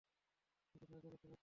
ওকে সাহায্য করতে পারতেন!